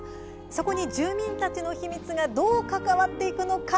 そこに、住民たちの秘密がどう関わっていくのか。